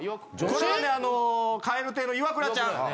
これはねあの蛙亭のイワクラちゃん。